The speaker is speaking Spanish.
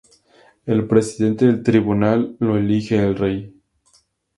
El Presidente del Tribunal lo elige el Rey.